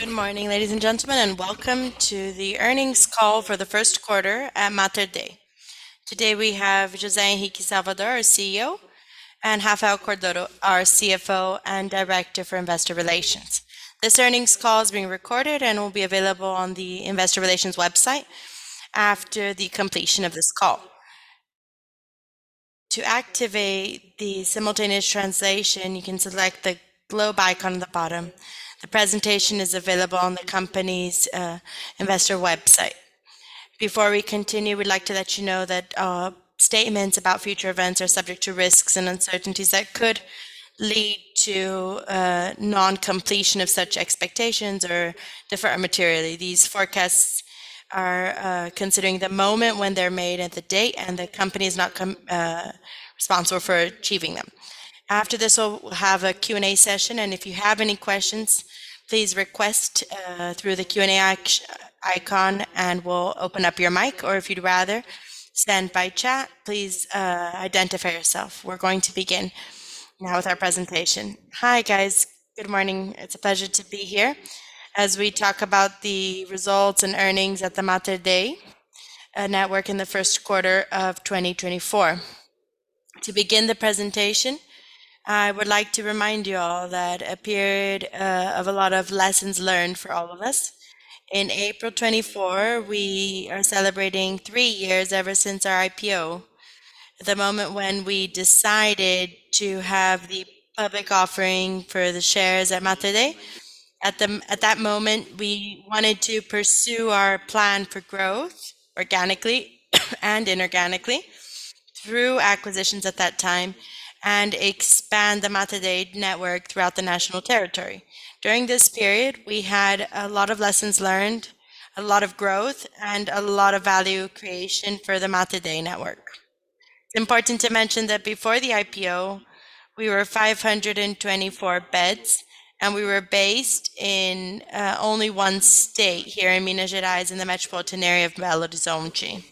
Good morning, ladies and gentlemen, and welcome to the earnings call for the first quarter at Mater Dei. Today we have José Henrique Salvador, our CEO, and Rafael Cordeiro, our CFO and director for investor relations. This earnings call is being recorded and will be available on the investor relations website after the completion of this call. To activate the simultaneous translation, you can select the globe icon at the bottom. The presentation is available on the company's investor website. Before we continue, we'd like to let you know that statements about future events are subject to risks and uncertainties that could lead to non-completion of such expectations or differ materially. These forecasts are considering the moment when they're made and the date, and the company is not responsible for achieving them. After this, we'll, we'll have a Q&A session, and if you have any questions, please request through the Q&A action icon and we'll open up your mic. Or if you'd rather send by chat, please identify yourself. We're going to begin now with our presentation. Hi, guys. Good morning. It's a pleasure to be here. As we talk about the results and earnings at the Mater Dei network in the first quarter of 2024. To begin the presentation, I would like to remind you all that a period of a lot of lessons learned for all of us. In April 2024, we are celebrating three years ever since our IPO, the moment when we decided to have the public offering for the shares at Mater Dei. At that moment, we wanted to pursue our plan for growth organically and inorganically through acquisitions at that time and expand the Mater Dei network throughout the national territory. During this period, we had a lot of lessons learned, a lot of growth, and a lot of value creation for the Mater Dei network. It's important to mention that before the IPO, we were 524 beds, and we were based in only one state here in Minas Gerais in the metropolitan area of Belo Horizonte.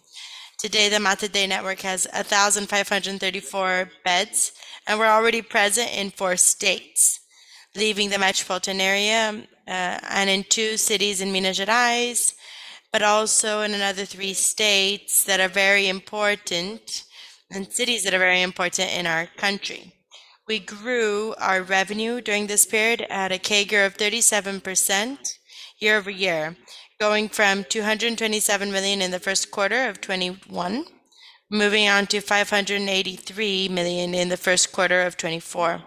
Today, the Mater Dei network has 1,534 beds, and we're already present in four states, leaving the metropolitan area, and in two cities in Minas Gerais, but also in another three states that are very important and cities that are very important in our country. We grew our revenue during this period at a CAGR of 37% year-over-year, going from 227 million in the first quarter of 2021, moving on to 583 million in the first quarter of 2024.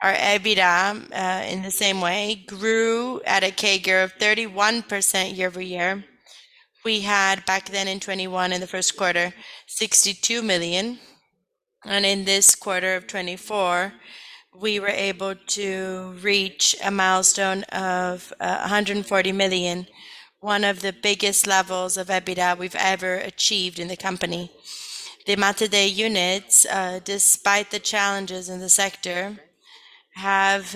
Our EBITDA, in the same way, grew at a CAGR of 31% year-over-year. We had, back then in 2021, in the first quarter, 62 million. And in this quarter of 2024, we were able to reach a milestone of, 140 million, one of the biggest levels of EBITDA we've ever achieved in the company. The Mater Dei units, despite the challenges in the sector, have,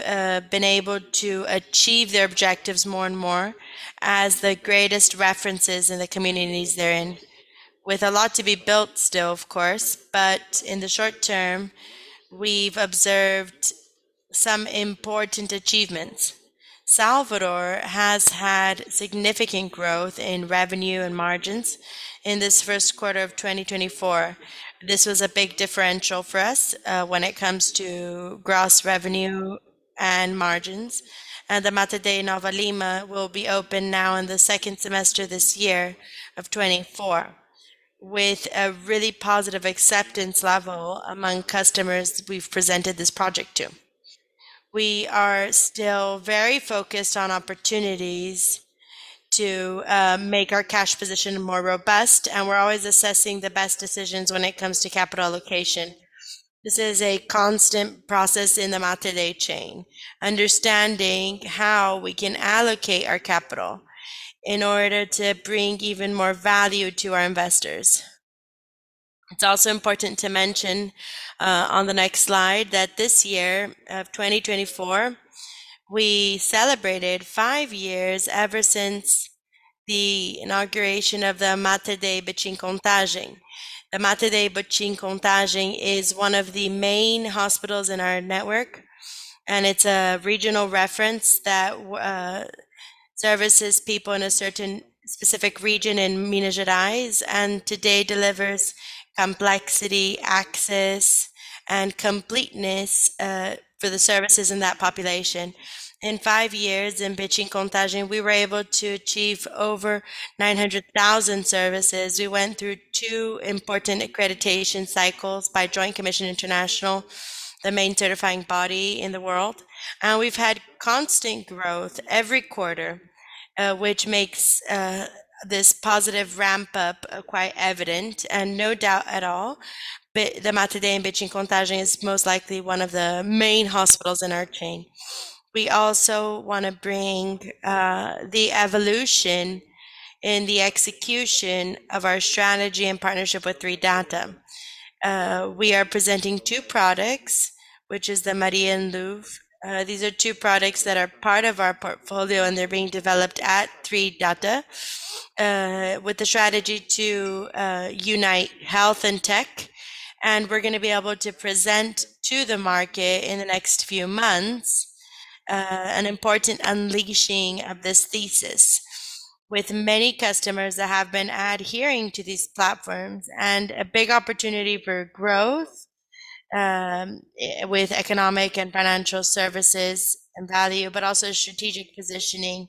been able to achieve their objectives more and more as the greatest references in the communities they're in, with a lot to be built still, of course. But in the short term, we've observed some important achievements. Salvador has had significant growth in revenue and margins in this first quarter of 2024. This was a big differential for us, when it comes to gross revenue and margins. The Mater Dei Nova Lima will be open now in the second semester this year of 2024 with a really positive acceptance level among customers we've presented this project to. We are still very focused on opportunities to make our cash position more robust, and we're always assessing the best decisions when it comes to capital allocation. This is a constant process in the Mater Dei chain, understanding how we can allocate our capital in order to bring even more value to our investors. It's also important to mention, on the next slide, that this year of 2024, we celebrated five years ever since the inauguration of the Mater Dei Betim-Contagem. The Mater Dei Betim-Contagem is one of the main hospitals in our network, and it's a regional reference that services people in a certain specific region in Minas Gerais and today delivers complexity, access, and completeness for the services in that population. In five years in Betim-Contagem, we were able to achieve over 900,000 services. We went through two important accreditation cycles by Joint Commission International, the main certifying body in the world. And we've had constant growth every quarter, which makes this positive ramp-up quite evident and no doubt at all. But the Mater Dei in Betim-Contagem is most likely one of the main hospitals in our chain. We also want to bring the evolution in the execution of our strategy in partnership with A3Data. We are presenting two products, which is the Maria and Louvre. These are two products that are part of our portfolio, and they're being developed at A3Data, with the strategy to unite health and tech. We're going to be able to present to the market in the next few months, an important unleashing of this thesis with many customers that have been adhering to these platforms and a big opportunity for growth, with economic and financial services and value, but also strategic positioning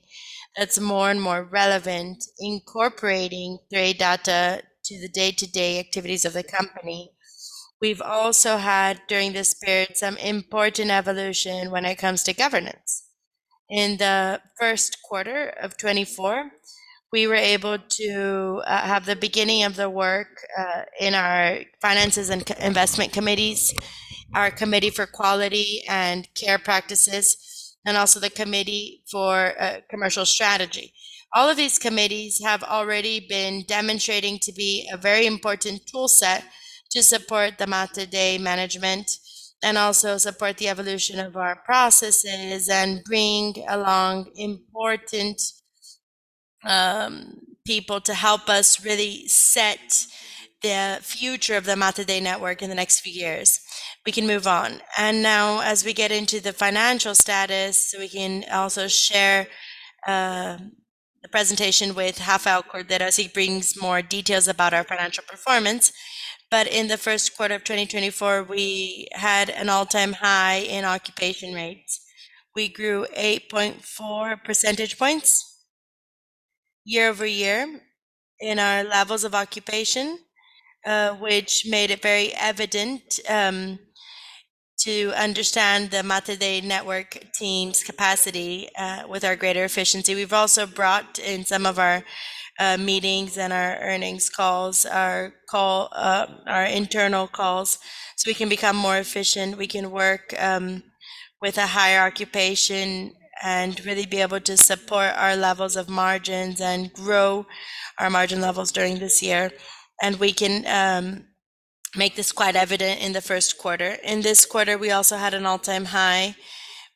that's more and more relevant, incorporating A3Data to the day-to-day activities of the company. We've also had, during this period, some important evolution when it comes to governance. In the first quarter of 2024, we were able to have the beginning of the work in our Finance and Investment Committees, our Committee for Quality and Care Practices, and also the Committee for Commercial Strategy. All of these committees have already been demonstrating to be a very important toolset to support the Mater Dei management and also support the evolution of our processes and bring along important people to help us really set the future of the Mater Dei network in the next few years. We can move on. Now, as we get into the financial status, we can also share the presentation with Rafael Cordeiro. He brings more details about our financial performance. In the first quarter of 2024, we had an all-time high in occupation rates. We grew 8.4 percentage points year-over-year in our levels of occupation, which made it very evident to understand the Mater Dei network team's capacity with our greater efficiency. We've also brought in some of our meetings and our earnings calls, our call, our internal calls so we can become more efficient. We can work with a higher occupation and really be able to support our levels of margins and grow our margin levels during this year. We can make this quite evident in the first quarter. In this quarter, we also had an all-time high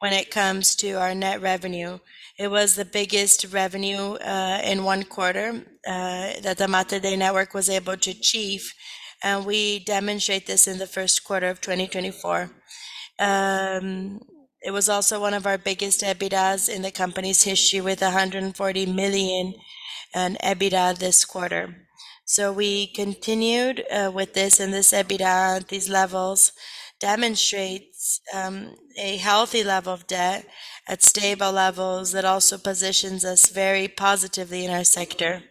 when it comes to our net revenue. It was the biggest revenue in one quarter that the Mater Dei network was able to achieve. We demonstrate this in the first quarter of 2024. It was also one of our biggest EBITDAs in the company's history, with 140 million in EBITDA this quarter. We continued with this. This EBITDA, these levels, demonstrates a healthy level of debt at stable levels that also positions us very positively in our sector.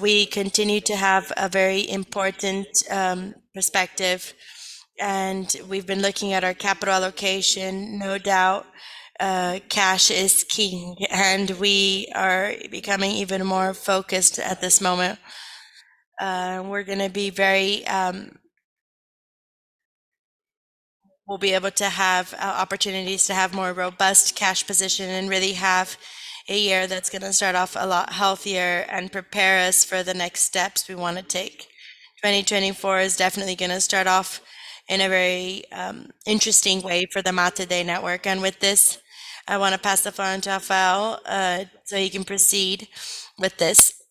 We continue to have a very important perspective. We've been looking at our capital allocation. No doubt, cash is king, and we are becoming even more focused at this moment. We're going to be very, we'll be able to have, opportunities to have more robust cash position and really have a year that's going to start off a lot healthier and prepare us for the next steps we want to take. 2024 is definitely going to start off in a very, interesting way for the Mater Dei network. And with this, I want to pass the phone to Rafael, so he can proceed with this.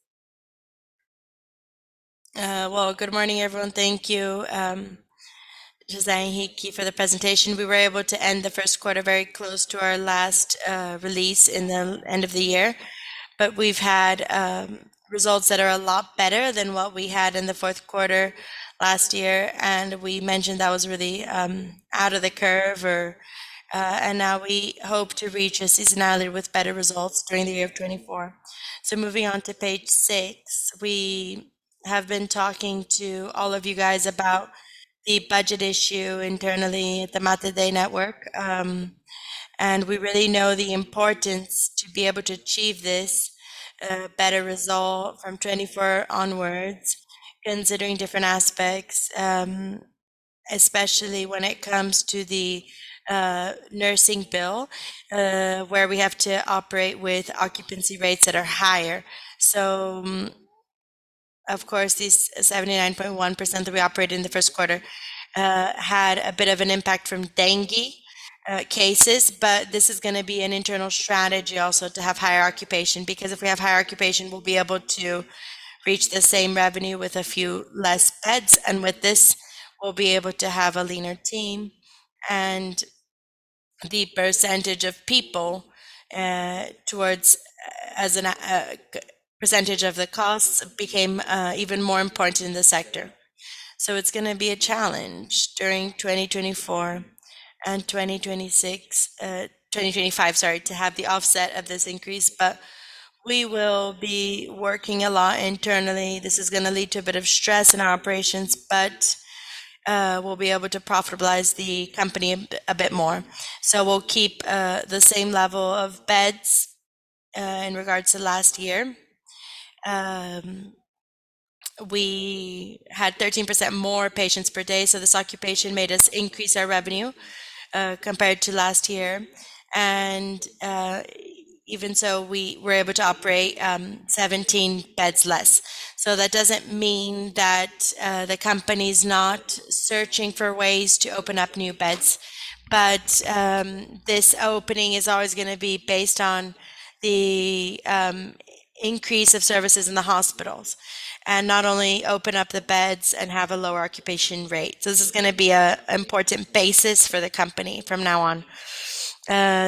Well, good morning, everyone. Thank you, José Henrique for the presentation. We were able to end the first quarter very close to our last, release in the end of the year. But we've had, results that are a lot better than what we had in the fourth quarter last year. We mentioned that was really out of the curve or, and now we hope to reach a seasonality with better results during the year of 2024. So moving on to page six, we have been talking to all of you guys about the budget issue internally at the Mater Dei network, and we really know the importance to be able to achieve this better result from 2024 onwards, considering different aspects, especially when it comes to the nursing bill, where we have to operate with occupancy rates that are higher. So, of course, this 79.1% that we operated in the first quarter had a bit of an impact from dengue cases. But this is going to be an internal strategy also to have higher occupation because if we have higher occupation, we'll be able to reach the same revenue with a few less beds. With this, we'll be able to have a leaner team. The percentage of people, towards, as an, percentage of the costs became even more important in the sector. It's going to be a challenge during 2024 and 2026, 2025, sorry, to have the offset of this increase. We will be working a lot internally. This is going to lead to a bit of stress in our operations, but we'll be able to profitabilize the company a bit more. We'll keep the same level of beds in regards to last year. We had 13% more patients per day, so this occupation made us increase our revenue compared to last year. Even so, we were able to operate 17 beds less. That doesn't mean that the company's not searching for ways to open up new beds. But this opening is always going to be based on the increase of services in the hospitals and not only open up the beds and have a lower occupation rate. So this is going to be an important basis for the company from now on.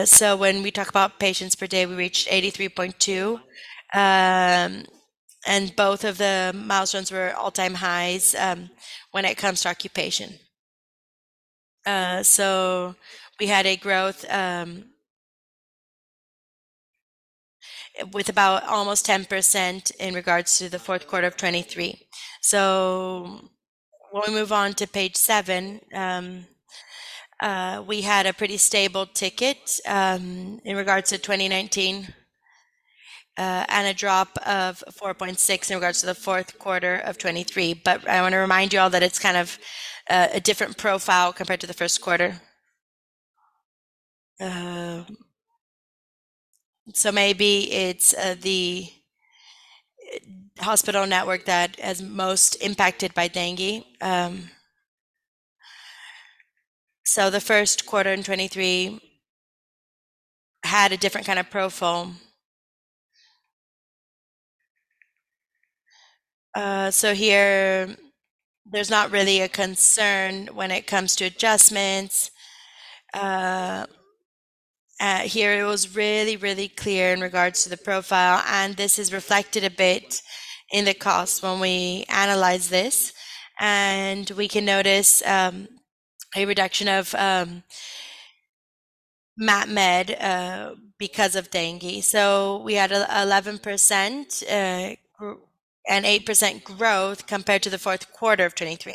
So when we talk about patients per day, we reached 83.2, and both of the milestones were all-time highs, when it comes to occupation. So we had a growth, with about almost 10% in regards to the fourth quarter of 2023. So when we move on to page seven, we had a pretty stable ticket, in regards to 2019, and a drop of 4.6% in regards to the fourth quarter of 2023. But I want to remind you all that it's kind of a different profile compared to the first quarter. So maybe it's the hospital network that is most impacted by dengue. The first quarter of 2023 had a different kind of profile. So here, there's not really a concern when it comes to adjustments. Here it was really, really clear in regards to the profile. This is reflected a bit in the costs when we analyze this. We can notice a reduction of MatMed, because of dengue. So we had 11% and 8% growth compared to the fourth quarter of 2023.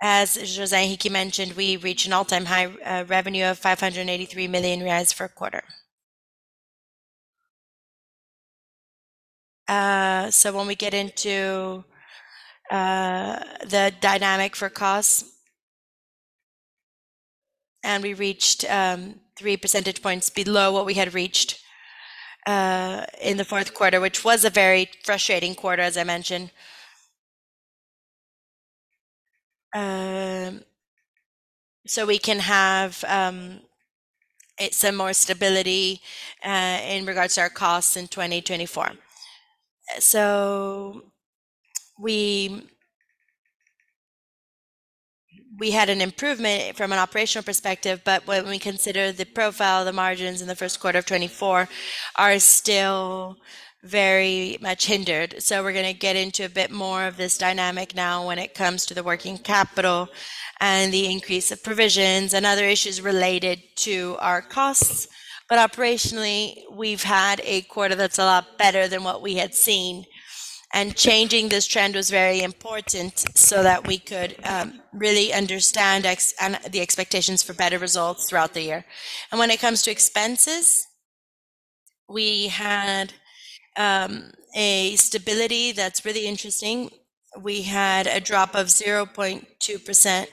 As José Henrique mentioned, we reached an all-time high revenue of 583 million reais per quarter. So when we get into the dynamic for costs, and we reached 3 percentage points below what we had reached in the fourth quarter, which was a very frustrating quarter, as I mentioned. So we can have some more stability in regards to our costs in 2024. So we, we had an improvement from an operational perspective, but when we consider the profile, the margins in the first quarter of 2024 are still very much hindered. We're going to get into a bit more of this dynamic now when it comes to the working capital and the increase of provisions and other issues related to our costs. But operationally, we've had a quarter that's a lot better than what we had seen. Changing this trend was very important so that we could really understand the expectations for better results throughout the year. When it comes to expenses, we had a stability that's really interesting. We had a drop of 0.2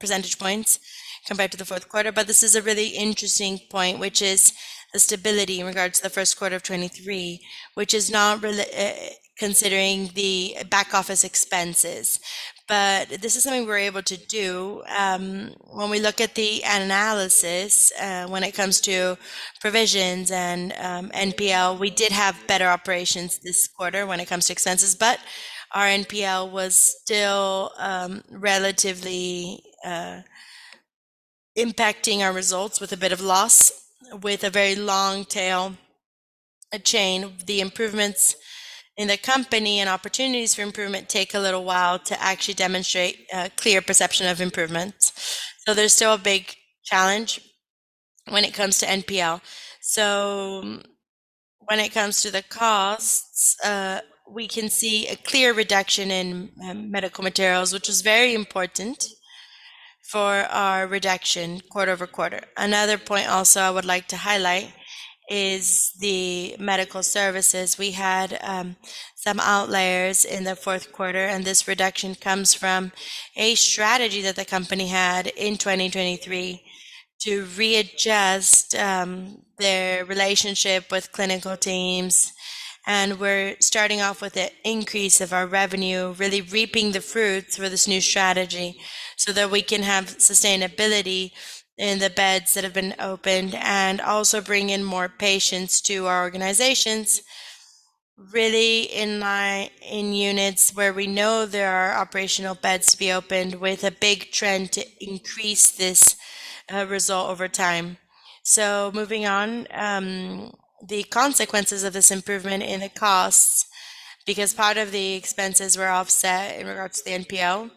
percentage points compared to the fourth quarter. But this is a really interesting point, which is the stability in regards to the first quarter of 2023, which is not related, considering the back-office expenses. But this is something we were able to do. When we look at the analysis, when it comes to provisions and NPL, we did have better operations this quarter when it comes to expenses. But our NPL was still, relatively, impacting our results with a bit of loss, with a very long tail, a chain. The improvements in the company and opportunities for improvement take a little while to actually demonstrate a clear perception of improvements. So there's still a big challenge when it comes to NPL. So when it comes to the costs, we can see a clear reduction in medical materials, which was very important for our reduction quarter-over-quarter. Another point also I would like to highlight is the medical services. We had some outliers in the fourth quarter, and this reduction comes from a strategy that the company had in 2023 to readjust their relationship with clinical teams. We're starting off with an increase of our revenue, really reaping the fruits for this new strategy so that we can have sustainability in the beds that have been opened and also bring in more patients to our organizations, really in line in units where we know there are operational beds to be opened with a big trend to increase this result over time. Moving on, the consequences of this improvement in the costs, because part of the expenses were offset in regards to the NPL,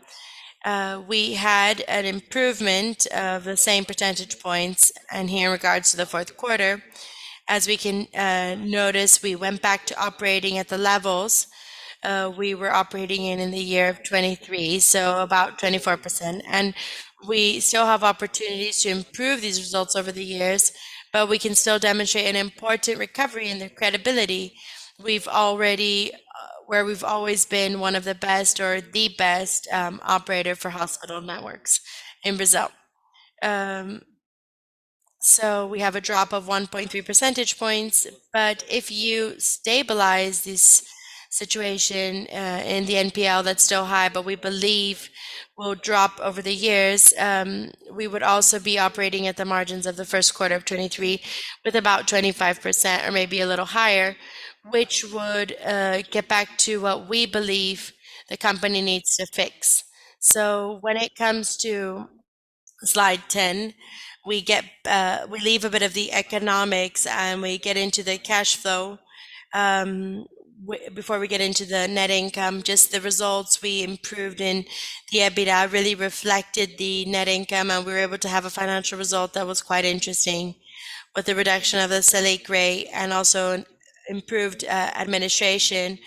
we had an improvement of the same percentage points. Here in regards to the fourth quarter, as we can notice, we went back to operating at the levels we were operating in the year of 2023, so about 24%. And we still have opportunities to improve these results over the years, but we can still demonstrate an important recovery in the credibility we've already, where we've always been one of the best or the best operator for hospital networks in Brazil. So we have a drop of 1.3 percentage points. But if you stabilize this situation in the NPL that's still high, but we believe will drop over the years, we would also be operating at the margins of the first quarter of 2023 with about 25% or maybe a little higher, which would get back to what we believe the company needs to fix. So when it comes to slide 10, we get we leave a bit of the economics and we get into the cash flow before we get into the net income. Just the results we improved in the EBITDA really reflected the net income, and we were able to have a financial result that was quite interesting with the reduction of the salary grade and also improved administration.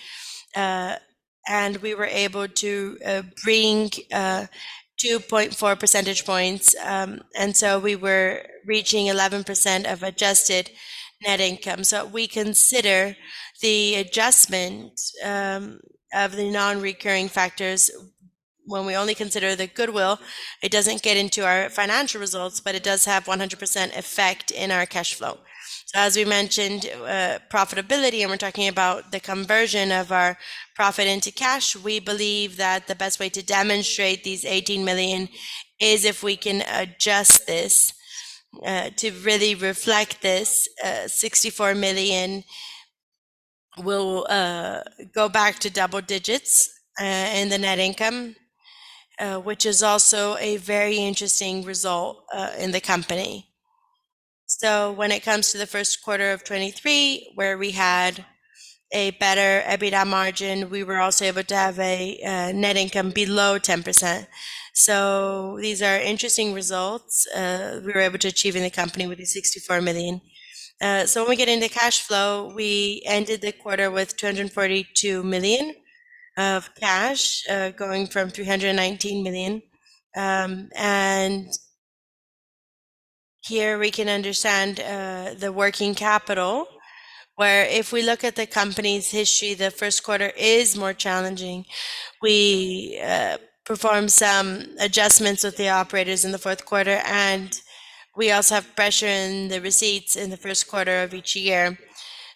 We were able to bring 2.4 percentage points, and so we were reaching 11% of adjusted net income. We consider the adjustment of the non-recurring factors. When we only consider the goodwill, it doesn't get into our financial results, but it does have 100% effect in our cash flow. So as we mentioned, profitability, and we're talking about the conversion of our profit into cash, we believe that the best way to demonstrate these 18 million is if we can adjust this, to really reflect this. 64 million will go back to double digits in the net income, which is also a very interesting result in the company. So when it comes to the first quarter of 2023, where we had a better EBITDA margin, we were also able to have a net income below 10%. So these are interesting results we were able to achieve in the company with these 64 million. So when we get into cash flow, we ended the quarter with 242 million of cash, going from 319 million. And here we can understand the working capital, where if we look at the company's history, the first quarter is more challenging. We perform some adjustments with the operators in the fourth quarter, and we also have pressure in the receipts in the first quarter of each year.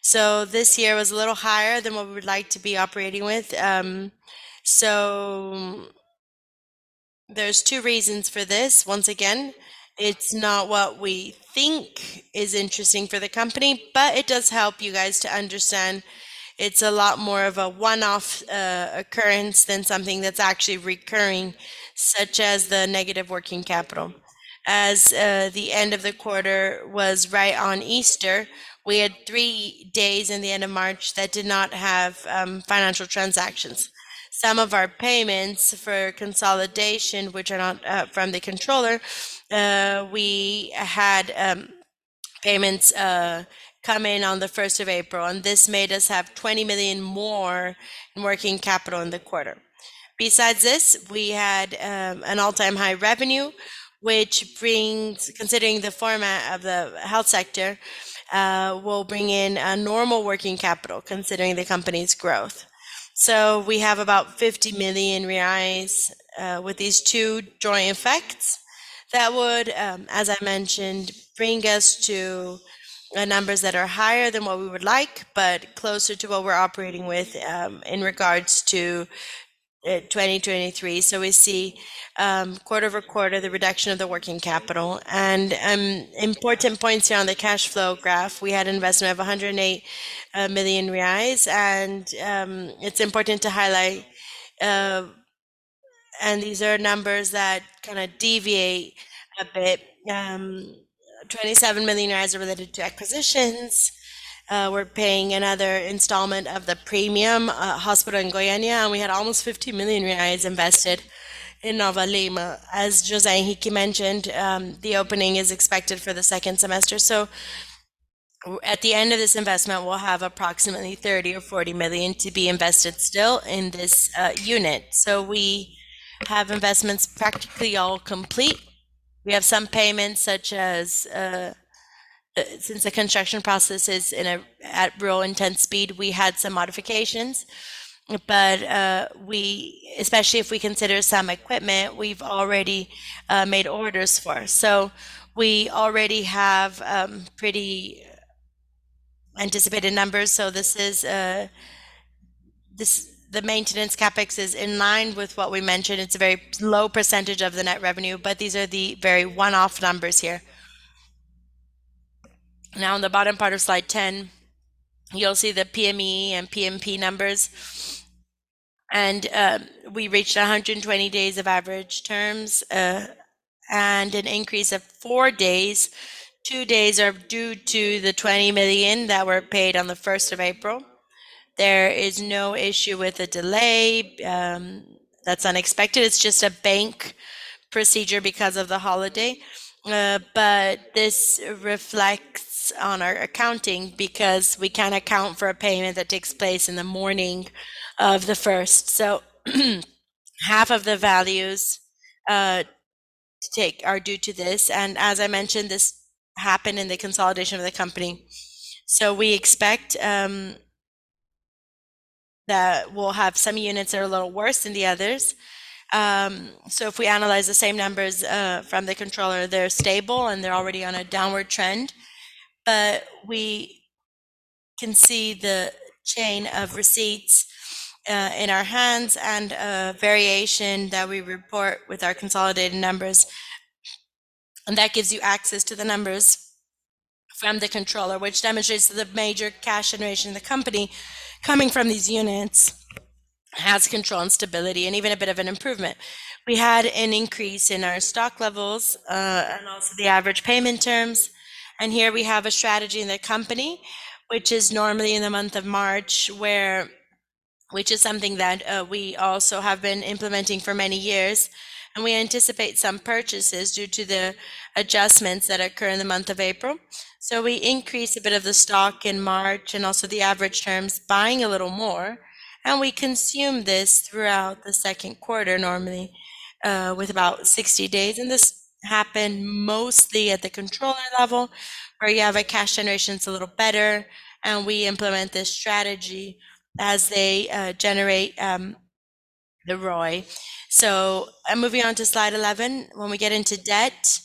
So this year was a little higher than what we would like to be operating with. So there's two reasons for this. Once again, it's not what we think is interesting for the company, but it does help you guys to understand it's a lot more of a one-off occurrence than something that's actually recurring, such as the negative working capital. As the end of the quarter was right on Easter, we had three days in the end of March that did not have financial transactions. Some of our payments for consolidation, which are not from the controller, we had payments come in on the 1st of April, and this made us have 20 million more in working capital in the quarter. Besides this, we had an all-time high revenue, which brings, considering the format of the health sector, will bring in a normal working capital, considering the company's growth. So we have about 50 million reais, with these two joint effects that would, as I mentioned, bring us to numbers that are higher than what we would like, but closer to what we're operating with, in regards to 2023. So we see, quarter-over-quarter, the reduction of the working capital. And important points here on the cash flow graph, we had an investment of 108 million reais, and it's important to highlight, and these are numbers that kind of deviate a bit. BRL 27 million are related to acquisitions. We're paying another installment of the Premium Hospital in Goiânia, and we had almost 50 million reais invested in Nova Lima. As José Henrique mentioned, the opening is expected for the second semester. So at the end of this investment, we'll have approximately 30 million or 40 million to be invested still in this unit. So we have investments practically all complete. We have some payments such as since the construction process is in a real intense speed, we had some modifications. But we, especially if we consider some equipment, we've already made orders for. So we already have pretty anticipated numbers. So this is the maintenance CapEx is in line with what we mentioned. It's a very low percentage of the net revenue, but these are the very one-off numbers here. Now, on the bottom part of slide 10, you'll see the PME and PMP numbers. And we reached 120 days of average terms, and an increase of four days. Two days are due to the 20 million that were paid on the 1st of April. There is no issue with a delay, that's unexpected. It's just a bank procedure because of the holiday. But this reflects on our accounting because we can't account for a payment that takes place in the morning of the 1st. So half of the values, to take are due to this. And as I mentioned, this happened in the consolidation of the company. So we expect that we'll have some units that are a little worse than the others. So if we analyze the same numbers, from the controller, they're stable and they're already on a downward trend. But we can see the chain of receipts, in our hands and a variation that we report with our consolidated numbers. That gives you access to the numbers from Contagem, which demonstrates that the major cash generation in the company coming from these units has control and stability and even a bit of an improvement. We had an increase in our stock levels, and also the average payment terms. Here we have a strategy in the company, which is normally in the month of March, which is something that we also have been implementing for many years. We anticipate some purchases due to the adjustments that occur in the month of April. So we increase a bit of the stock in March and also the average terms, buying a little more. We consume this throughout the second quarter, normally, with about 60 days. This happened mostly at the Contagem level, where you have a cash generation that's a little better. We implement this strategy as they generate the ROI. I'm moving on to slide 11. When we get into debt,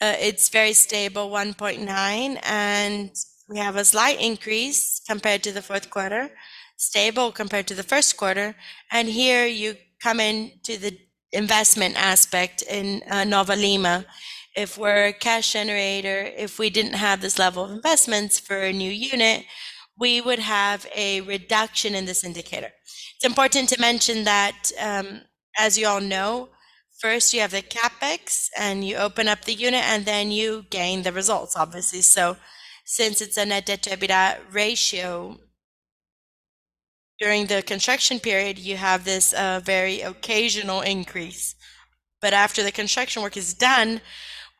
it's very stable, 1.9. We have a slight increase compared to the fourth quarter, stable compared to the first quarter. Here you come into the investment aspect in Nova Lima. If we're a cash generator, if we didn't have this level of investments for a new unit, we would have a reduction in this indicator. It's important to mention that, as you all know, first you have the CapEx and you open up the unit and then you gain the results, obviously. Since it's a net debt to EBITDA ratio, during the construction period, you have this very occasional increase. But after the construction work is done,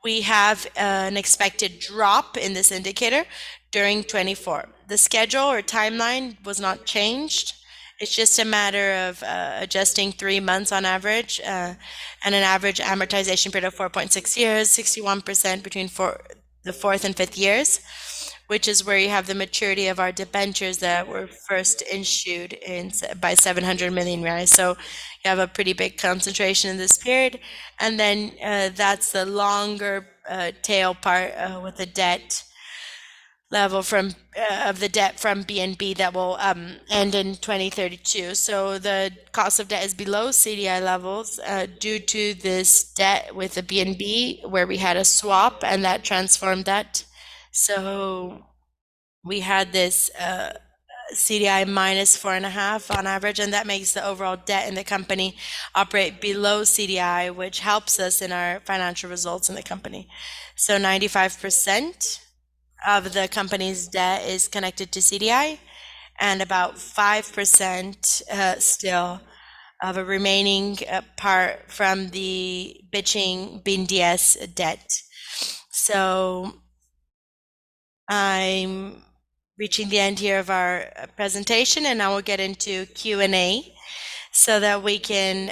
we have an expected drop in this indicator during 2024. The schedule or timeline was not changed. It's just a matter of adjusting 3 months on average, and an average amortization period of 4.6 years, 61% between the fourth and fifth years, which is where you have the maturity of our debentures that were first issued in by 700 million reais. So you have a pretty big concentration in this period. And then, that's the longer tail part, with the debt level from the debt from BNB that will end in 2032. So the cost of debt is below CDI levels, due to this debt with the BNB where we had a swap and that transformed that. So we had this CDI minus 4.5 on average, and that makes the overall debt in the company operate below CDI, which helps us in our financial results in the company. So 95% of the company's debt is connected to CDI and about 5%, still of a remaining part from the BNDES debt. So I'm reaching the end here of our presentation, and I will get into Q&A so that we can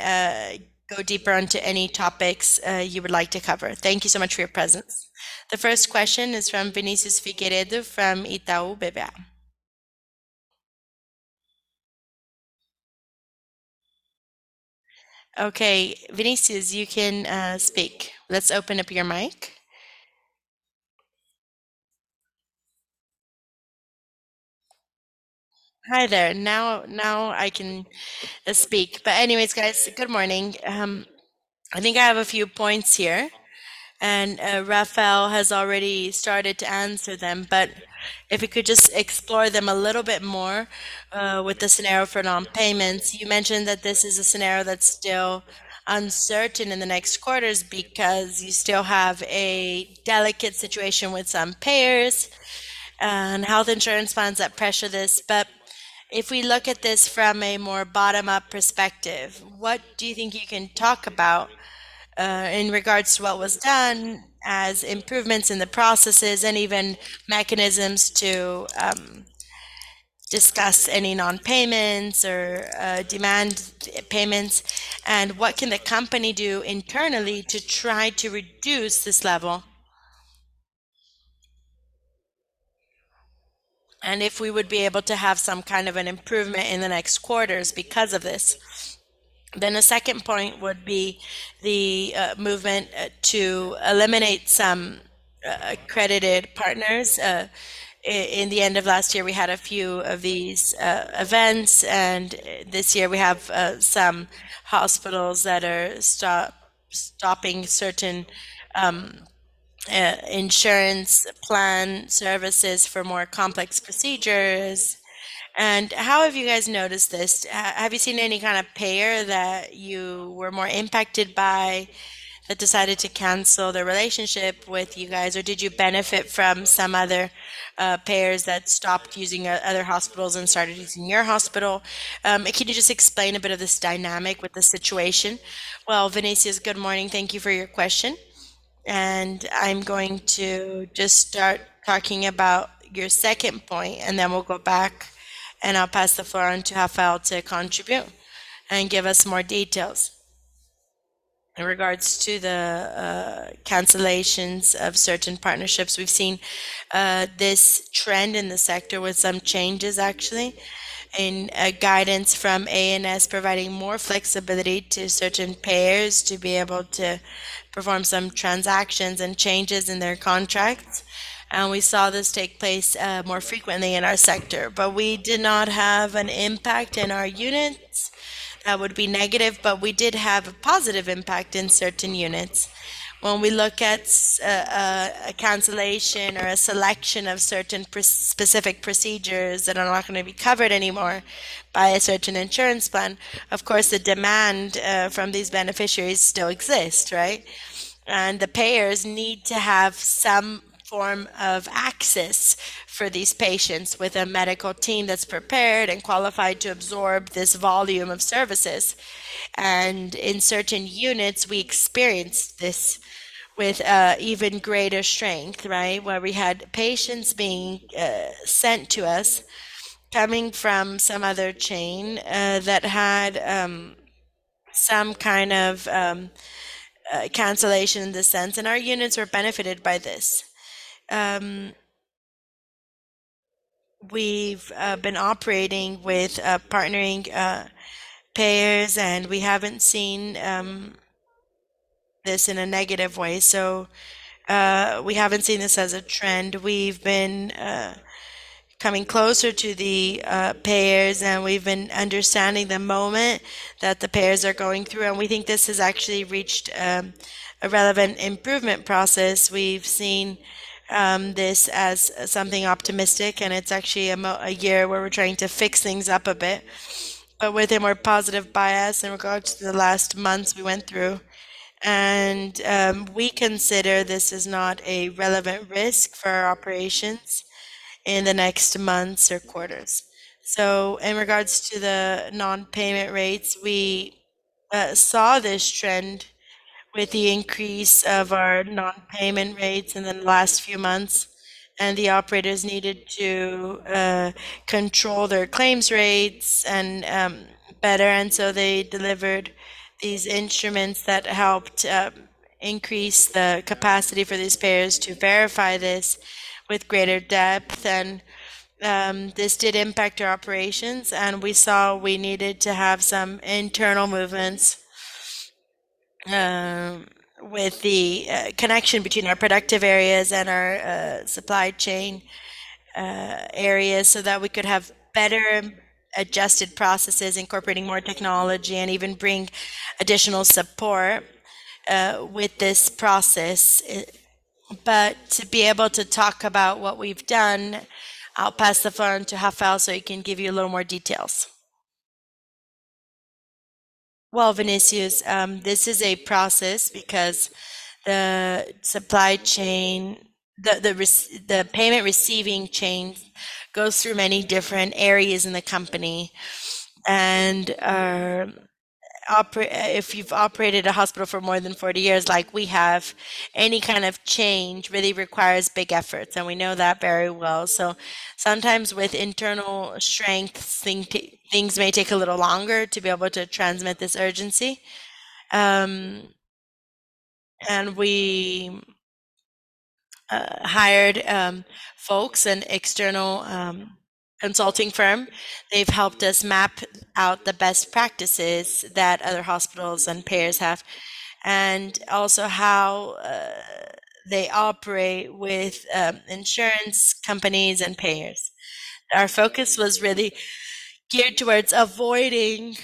go deeper onto any topics you would like to cover. Thank you so much for your presence. The first question is from Vinicius Figueiredo from Itaú BBA. Okay, Vinícius, you can speak. Let's open up your mic. Hi there. Now I can speak. But anyways, guys, good morning. I think I have a few points here, and Rafael has already started to answer them. But if we could just explore them a little bit more, with the scenario for non-payments, you mentioned that this is a scenario that's still uncertain in the next quarters because you still have a delicate situation with some payers and health insurance funds that pressure this. But if we look at this from a more bottom-up perspective, what do you think you can talk about, in regards to what was done as improvements in the processes and even mechanisms to discuss any non-payments or demand payments? And what can the company do internally to try to reduce this level? And if we would be able to have some kind of an improvement in the next quarters because of this, then a second point would be the movement to eliminate some credited partners. In the end of last year, we had a few of these events, and this year we have some hospitals that are stopping certain insurance plan services for more complex procedures. And how have you guys noticed this? Have you seen any kind of payer that you were more impacted by that decided to cancel their relationship with you guys, or did you benefit from some other payers that stopped using other hospitals and started using your hospital? Can you just explain a bit of this dynamic with the situation? Well, Vinicius, good morning. Thank you for your question. I'm going to just start talking about your second point, and then we'll go back, and I'll pass the floor on to Rafael to contribute and give us more details. In regards to the cancellations of certain partnerships, we've seen this trend in the sector with some changes, actually, and guidance from ANS providing more flexibility to certain payers to be able to perform some transactions and changes in their contracts. We saw this take place more frequently in our sector. We did not have an impact in our units that would be negative, but we did have a positive impact in certain units. When we look at a cancellation or a selection of certain specific procedures that are not going to be covered anymore by a certain insurance plan, of course, the demand from these beneficiaries still exists, right? The payers need to have some form of access for these patients with a medical team that's prepared and qualified to absorb this volume of services. And in certain units, we experienced this with even greater strength, right, where we had patients being sent to us coming from some other chain that had some kind of cancellation in the sense, and our units were benefited by this. We've been operating with partnering payers, and we haven't seen this in a negative way. So, we haven't seen this as a trend. We've been coming closer to the payers, and we've been understanding the moment that the payers are going through, and we think this has actually reached a relevant improvement process. We've seen this as something optimistic, and it's actually a year where we're trying to fix things up a bit, but with a more positive bias in regards to the last months we went through. And we consider this is not a relevant risk for our operations in the next months or quarters. So, in regards to the non-payment rates, we saw this trend with the increase of our non-payment rates in the last few months, and the operators needed to control their claims rates and better. So they delivered these instruments that helped increase the capacity for these payers to verify this with greater depth. And this did impact our operations, and we saw we needed to have some internal movements with the connection between our productive areas and our supply chain areas so that we could have better adjusted processes, incorporating more technology, and even bring additional support with this process. But to be able to talk about what we've done, I'll pass the phone to Rafael so he can give you a little more details. Well, Vinicius, this is a process because the supply chain, the payment receiving chain goes through many different areas in the company. If you've operated a hospital for more than 40 years, like we have, any kind of change really requires big efforts, and we know that very well. So sometimes with internal strength, things may take a little longer to be able to transmit this urgency. And we hired, folks, an external consulting firm. They've helped us map out the best practices that other hospitals and payers have, and also how they operate with insurance companies and payers. Our focus was really geared towards avoiding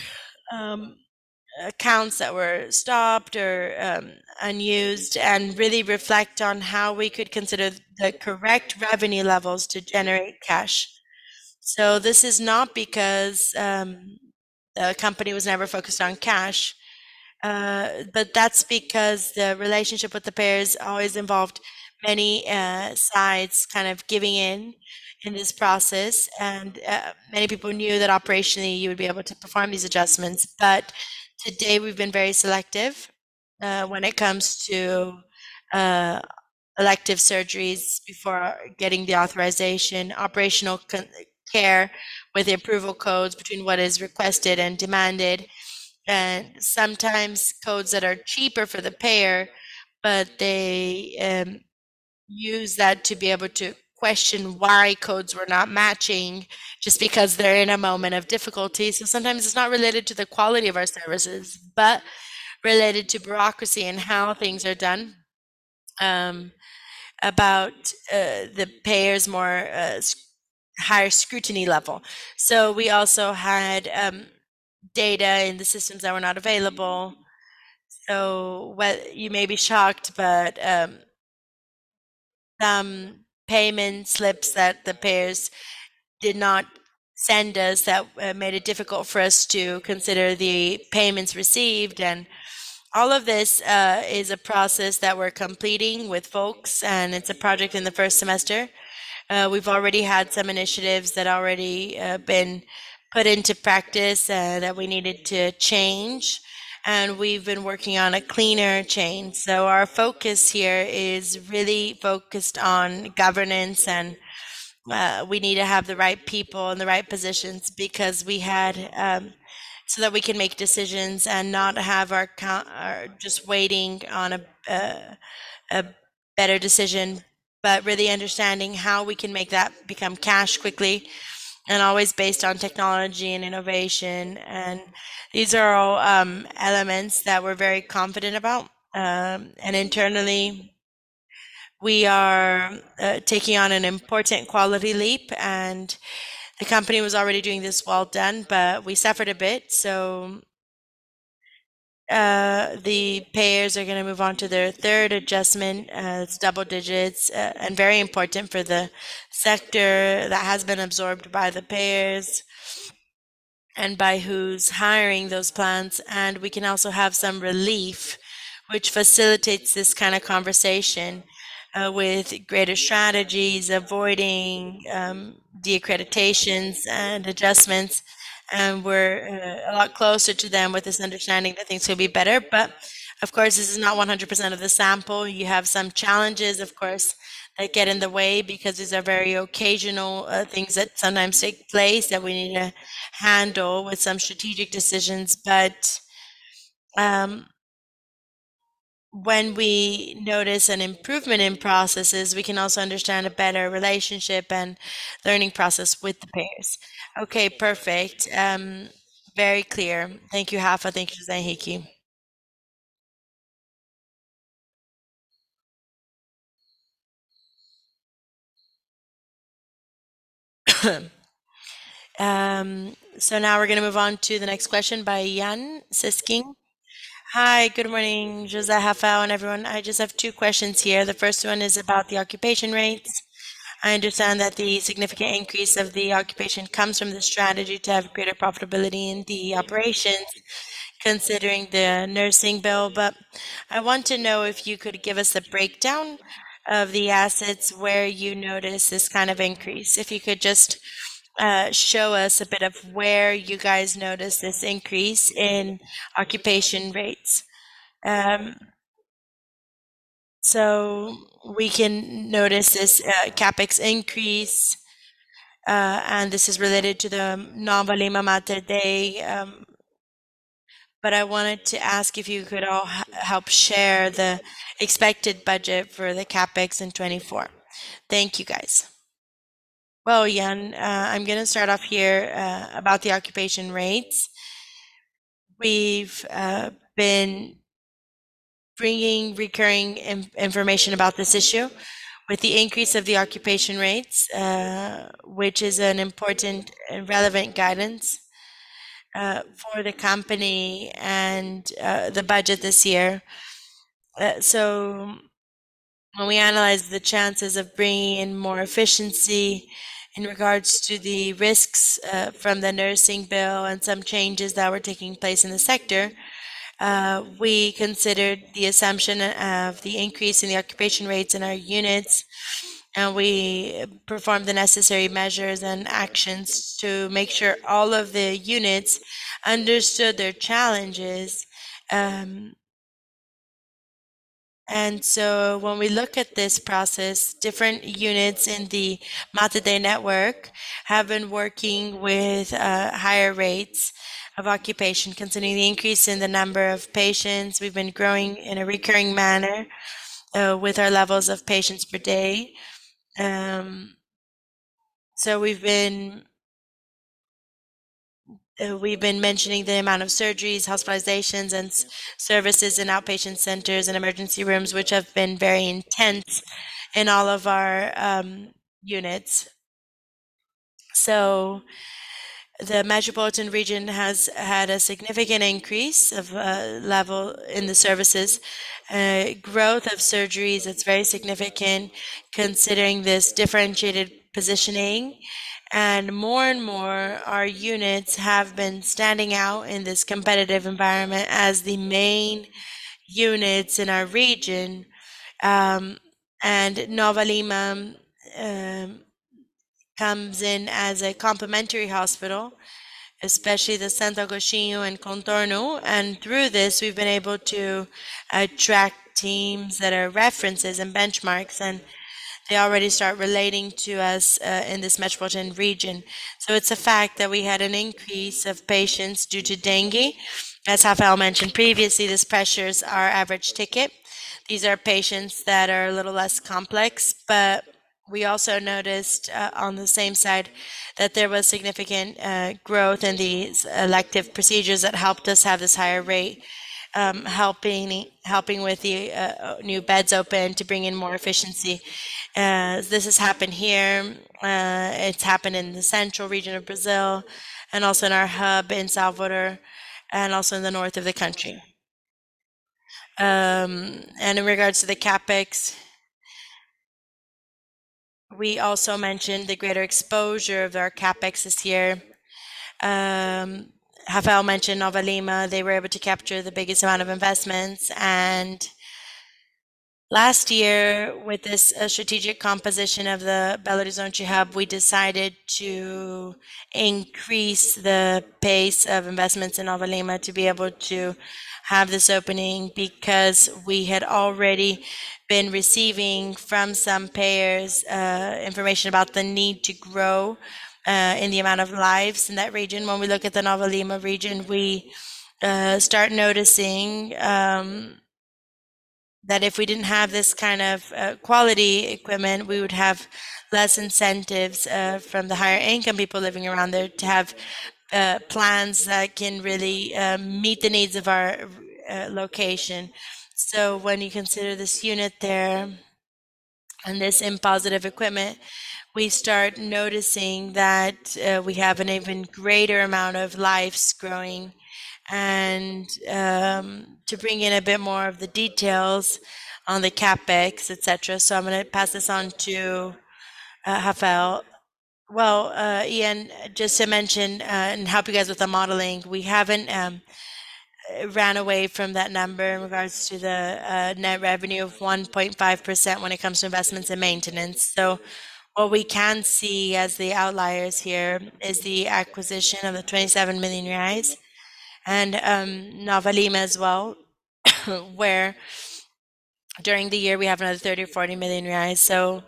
accounts that were stopped or unused and really reflect on how we could consider the correct revenue levels to generate cash. So this is not because the company was never focused on cash, but that's because the relationship with the payers always involved many sides kind of giving in in this process. Many people knew that operationally you would be able to perform these adjustments. But today we've been very selective when it comes to elective surgeries before getting the authorization, operational care with approval codes between what is requested and demanded. And sometimes codes that are cheaper for the payer, but they use that to be able to question why codes were not matching just because they're in a moment of difficulty. So sometimes it's not related to the quality of our services, but related to bureaucracy and how things are done about the payers' more higher scrutiny level. So we also had data in the systems that were not available. So what you may be shocked but some payment slips that the payers did not send us that made it difficult for us to consider the payments received. All of this is a process that we're completing with folks, and it's a project in the first semester. We've already had some initiatives that already been put into practice that we needed to change. And we've been working on a cleaner chain. So our focus here is really focused on governance, and we need to have the right people in the right positions because we had so that we can make decisions and not have our account just waiting on a better decision, but really understanding how we can make that become cash quickly and always based on technology and innovation. And these are all elements that we're very confident about. And internally, we are taking on an important quality leap, and the company was already doing this well done, but we suffered a bit. So the payers are going to move on to their third adjustment. It's double digits, and very important for the sector that has been absorbed by the payers and by who's hiring those plans. And we can also have some relief, which facilitates this kind of conversation, with greater strategies, avoiding de-accreditations and adjustments. And we're a lot closer to them with this understanding that things will be better. But of course, this is not 100% of the sample. You have some challenges, of course, that get in the way because these are very occasional things that sometimes take place that we need to handle with some strategic decisions. But when we notice an improvement in processes, we can also understand a better relationship and learning process with the payers. Okay, perfect. Very clear. Thank you, Rafael. Thank you, Henrique. So now we're going to move on to the next question by Yan Cesquim. Hi, good morning, José, Rafael, and everyone. I just have two questions here. The first one is about the occupancy rates. I understand that the significant increase of the occupancy comes from the strategy to have greater profitability in the operations, considering the nursing bill. But I want to know if you could give us a breakdown of the assets where you notice this kind of increase. If you could just show us a bit of where you guys notice this increase in occupancy rates, so we can notice this CapEx increase, and this is related to the Nova Lima Mater Dei. But I wanted to ask if you could all help share the expected budget for the CapEx in 2024. Thank you, guys. Well, Yan, I'm going to start off here about the occupancy rates. We've been bringing recurring information about this issue with the increase of the occupation rates, which is an important and relevant guidance for the company and the budget this year. So when we analyzed the chances of bringing in more efficiency in regards to the risks from the nursing bill and some changes that were taking place in the sector, we considered the assumption of the increase in the occupation rates in our units, and we performed the necessary measures and actions to make sure all of the units understood their challenges. And so when we look at this process, different units in the Mater Dei network have been working with higher rates of occupation considering the increase in the number of patients. We've been growing in a recurring manner with our levels of patients per day. So we've been mentioning the amount of surgeries, hospitalizations, and services in outpatient centers and emergency rooms, which have been very intense in all of our units. So the Metropolitan Region has had a significant increase of level in the services, growth of surgeries that's very significant considering this differentiated positioning. And more and more, our units have been standing out in this competitive environment as the main units in our region. And Nova Lima comes in as a complementary hospital, especially the Santo Agostinho and Contorno. And through this, we've been able to attract teams that are references and benchmarks, and they already start relating to us in this Metropolitan Region. So it's a fact that we had an increase of patients due to dengue. As Rafael mentioned previously, this pressures our average ticket. These are patients that are a little less complex. But we also noticed, on the same side, that there was significant growth in these elective procedures that helped us have this higher rate, helping with the new beds open to bring in more efficiency. This has happened here. It's happened in the central region of Brazil and also in our hub in Salvador and also in the north of the country. In regards to the CapEx, we also mentioned the greater exposure of our CapEx this year. Rafael mentioned Nova Lima. They were able to capture the biggest amount of investments. Last year, with this strategic composition of the Belo Horizonte Hub, we decided to increase the pace of investments in Nova Lima to be able to have this opening because we had already been receiving from some payers information about the need to grow in the amount of lives in that region. When we look at the Nova Lima region, we start noticing that if we didn't have this kind of quality equipment, we would have less incentives from the higher income people living around there to have plans that can really meet the needs of our location. So when you consider this unit there and this impressive equipment, we start noticing that we have an even greater amount of lives growing and to bring in a bit more of the details on the CapEx, etc. So I'm going to pass this on to Rafael. Well, Yan, just to mention and help you guys with the modeling, we haven't ran away from that number in regards to the net revenue of 1.5% when it comes to investments and maintenance. So what we can see as the outliers here is the acquisition of the 27 million reais and Nova Lima as well, where during the year we have another 30 million or 40 million reais. So,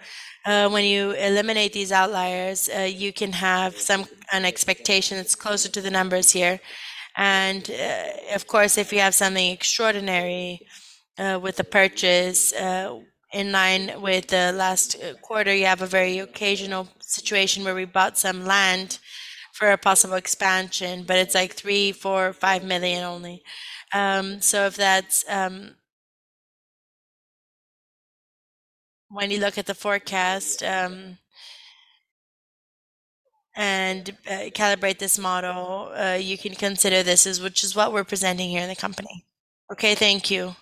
when you eliminate these outliers, you can have some unexpected expectations. It's closer to the numbers here. And, of course, if you have something extraordinary, with a purchase, in line with the last quarter, you have a very occasional situation where we bought some land for a possible expansion, but it's like 3 million, 4 million, 5 million only. So if that's, when you look at the forecast, and calibrate this model, you can consider this as which is what we're presenting here in the company. Okay, thank you.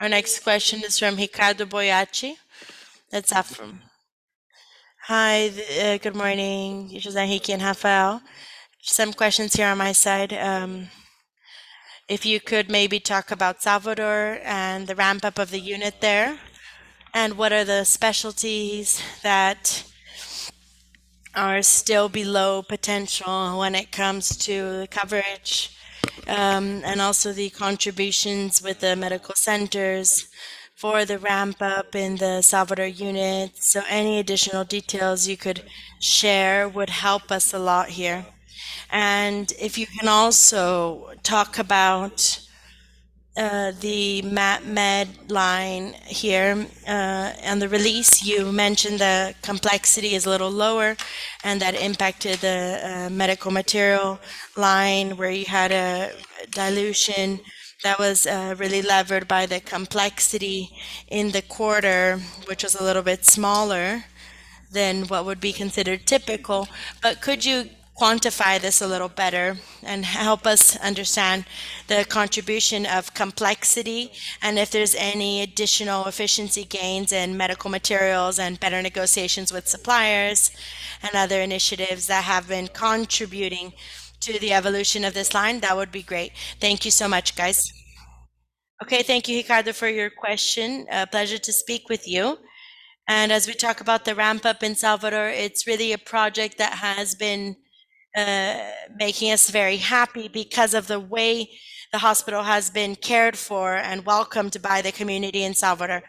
Our next question is from Ricardo Boiati. That's Safra. Hi, good morning, José Henrique and Rafael. Some questions here on my side. If you could maybe talk about Salvador and the ramp-up of the unit there and what are the specialties that are still below potential when it comes to the coverage, and also the contributions with the medical centers for the ramp-up in the Salvador unit. So any additional details you could share would help us a lot here. And if you can also talk about the MatMed line here, and the release, you mentioned the complexity is a little lower and that impacted the medical material line where you had a dilution that was really levered by the complexity in the quarter, which was a little bit smaller than what would be considered typical. But could you quantify this a little better and help us understand the contribution of complexity and if there's any additional efficiency gains in medical materials and better negotiations with suppliers and other initiatives that have been contributing to the evolution of this line? That would be great. Thank you so much, guys. Okay, thank you, Ricardo, for your question. A pleasure to speak with you. And as we talk about the ramp-up in Salvador, it's really a project that has been, making us very happy because of the way the hospital has been cared for and welcomed by the community in Salvador.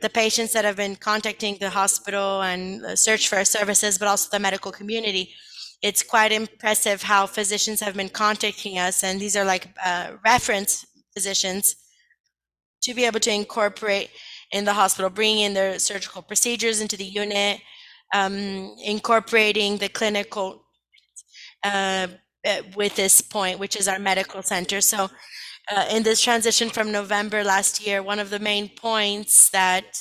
The patients that have been contacting the hospital and search for our services, but also the medical community, it's quite impressive how physicians have been contacting us. These are like reference physicians to be able to incorporate in the hospital, bringing in their surgical procedures into the unit, incorporating the clinical with this point, which is our medical center. So, in this transition from November last year, one of the main points that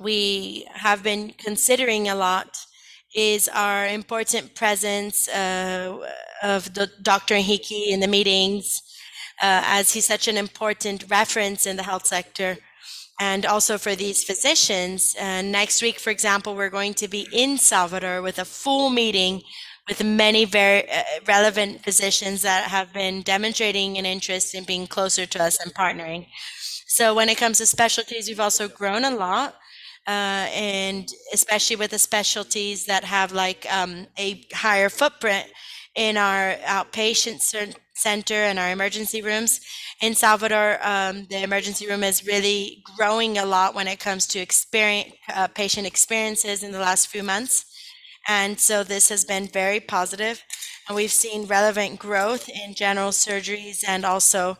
we have been considering a lot is our important presence of Dr. Henrique in the meetings, as he's such an important reference in the health sector and also for these physicians. And next week, for example, we're going to be in Salvador with a full meeting with many very relevant physicians that have been demonstrating an interest in being closer to us and partnering. So when it comes to specialties, we've also grown a lot, and especially with the specialties that have like a higher footprint in our outpatient center and our emergency rooms. In Salvador, the emergency room is really growing a lot when it comes to experience, patient experiences in the last few months. And so this has been very positive. And we've seen relevant growth in general surgeries and also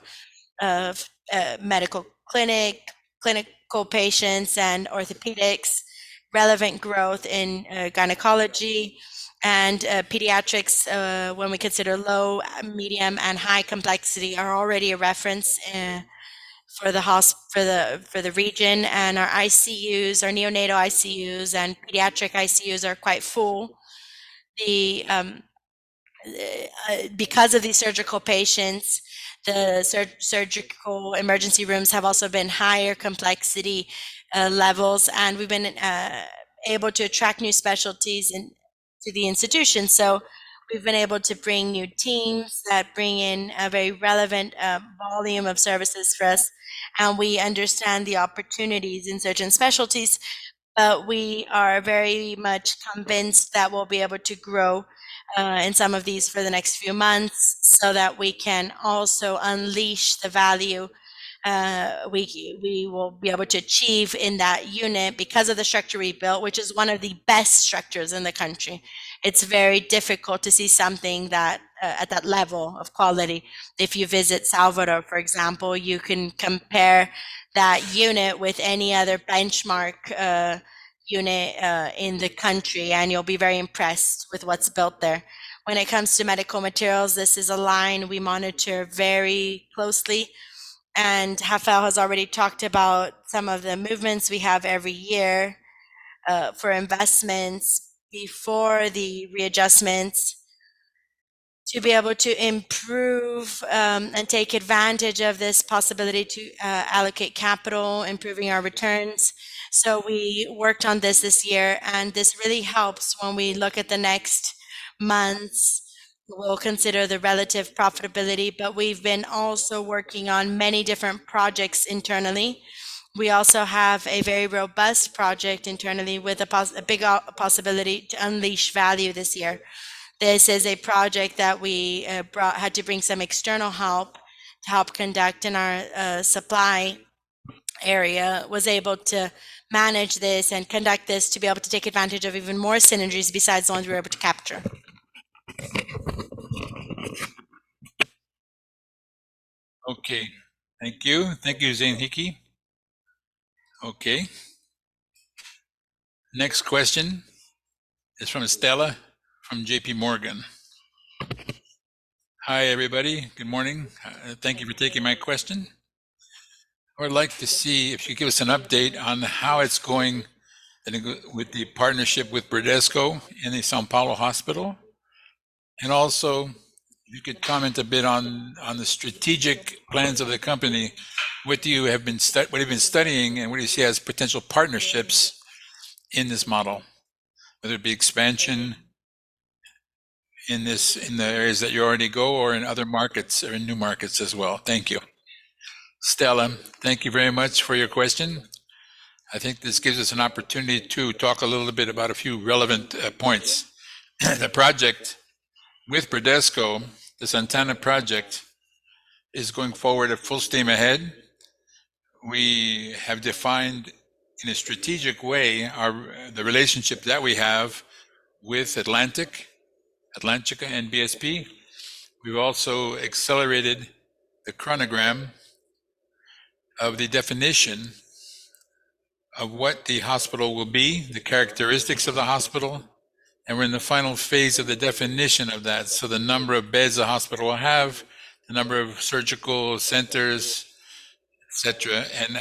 of medical clinic, clinical patients and orthopedics, relevant growth in gynecology and pediatrics, when we consider low, medium, and high complexity are already a reference for the hospital, for the region. And our ICUs, our neonatal ICUs and pediatric ICUs are quite full. Because of these surgical patients, the surgical emergency rooms have also been higher complexity levels. And we've been able to attract new specialties into the institution. So we've been able to bring new teams that bring in a very relevant volume of services for us. We understand the opportunities in certain specialties, but we are very much convinced that we'll be able to grow in some of these for the next few months so that we can also unleash the value we will be able to achieve in that unit because of the structure we built, which is one of the best structures in the country. It's very difficult to see something that at that level of quality. If you visit Salvador, for example, you can compare that unit with any other benchmark unit in the country, and you'll be very impressed with what's built there. When it comes to medical materials, this is a line we monitor very closely. Rafael has already talked about some of the movements we have every year, for investments before the readjustments to be able to improve, and take advantage of this possibility to allocate capital, improving our returns. So we worked on this this year, and this really helps when we look at the next months. We'll consider the relative profitability, but we've been also working on many different projects internally. We also have a very robust project internally with a big possibility to unleash value this year. This is a project that we brought, had to bring some external help to help conduct in our supply area, was able to manage this and conduct this to be able to take advantage of even more synergies besides the ones we were able to capture. Okay. Thank you. Thank you, Henrique. Okay. Next question is from Stella from J.P. Morgan. Hi everybody. Good morning. Thank you for taking my question. I would like to see if you could give us an update on how it's going with the partnership with Bradesco in the São Paulo hospital. And also, if you could comment a bit on the strategic plans of the company. What do you have been studying and what do you see as potential partnerships in this model, whether it be expansion in the areas that you already go or in other markets or in new markets as well? Thank you. Stella, thank you very much for your question. I think this gives us an opportunity to talk a little bit about a few relevant points. The project with Bradesco, the Santana project, is going forward at full steam ahead. We have defined in a strategic way the relationship that we have with Atlântica and BSP. We've also accelerated the chronogram of the definition of what the hospital will be, the characteristics of the hospital. We're in the final phase of the definition of that. So the number of beds the hospital will have, the number of surgical centers, etc. And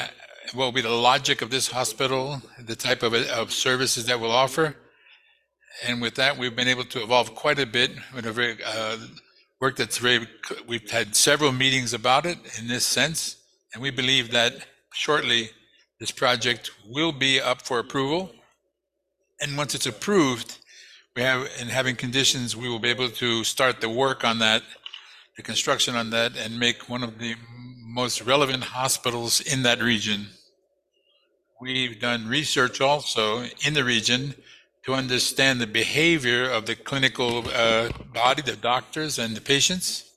what will be the logic of this hospital, the type of services that we'll offer. And with that, we've been able to evolve quite a bit. We've had several meetings about it in this sense. And we believe that shortly, this project will be up for approval. And once it's approved, we have and having conditions, we will be able to start the work on that, the construction on that, and make one of the most relevant hospitals in that region. We've done research also in the region to understand the behavior of the clinical body, the doctors, and the patients.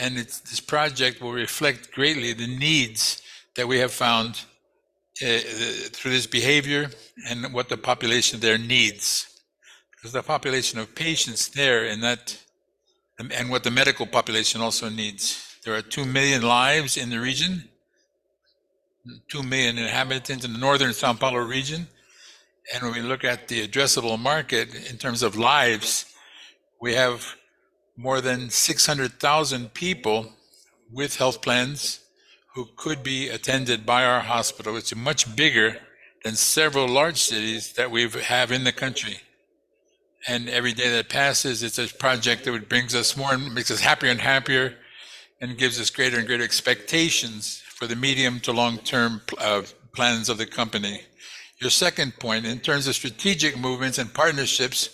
This project will reflect greatly the needs that we have found through this behavior and what the population there needs. Because the population of patients there in that and what the medical population also needs. There are 2 million lives in the region, 2 million inhabitants in the northern São Paulo region. When we look at the addressable market in terms of lives, we have more than 600,000 people with health plans who could be attended by our hospital. It's much bigger than several large cities that we have in the country. Every day that passes, it's a project that brings us more and makes us happier and happier and gives us greater and greater expectations for the medium to long-term plans of the company. Your second point, in terms of strategic movements and partnerships,